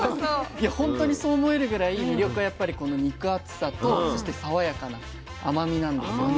いや本当にそう思えるぐらい魅力はやっぱりこの肉厚さと爽やかな甘みなんですよね。